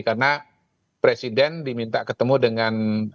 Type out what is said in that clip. karena presiden diminta ketemu dengan